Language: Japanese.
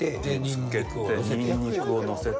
つけて、ニンニクをのせて。